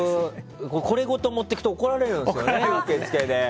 これごと持っていくと怒られるんですよね、受付で。